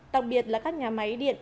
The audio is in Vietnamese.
đặc biệt là các nhà máy điện